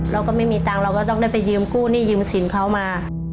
เราก็ไม่มีตังค์เราก็ต้องได้ไปยืมกู้หนี้ยืมสินเขามา